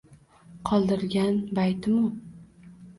Qoldirgan baytimu